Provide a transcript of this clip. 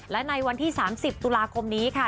และในวันที่๓๐ตุลาคมนี้ค่ะ